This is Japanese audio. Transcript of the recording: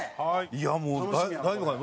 いやもう大丈夫かな？